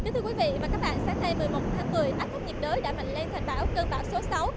thưa quý vị và các bạn sáng nay một mươi một tháng một mươi áp thấp nhiệt đới đã mạnh lên thành bão cơn bão số sáu